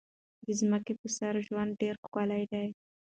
د ځمکې په سر ژوند ډېر ښکلی دی.